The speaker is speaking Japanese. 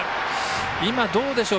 今、どうでしょう。